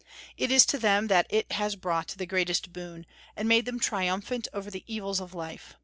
It is to them that it has brought the greatest boon, and made them triumphant over the evils of life.